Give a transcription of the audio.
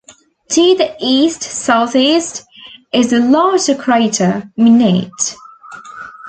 To the east-southeast is the larger crater Minnaert.